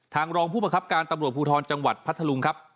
รองผู้ประคับการตำรวจภูทรจังหวัดพัทธลุงครับ